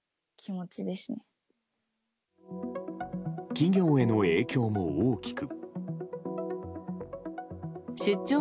企業への影響も大きく。